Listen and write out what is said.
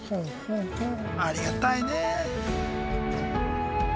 ありがたいね。